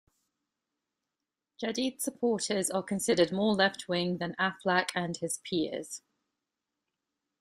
Jadid's supporters are considered more left-wing then Aflaq and his peers.